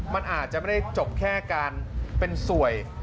มันอาจจะไม่ได้จบแค่การเป็นสวย